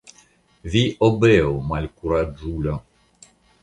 Vi obeu, malkuraĝulo.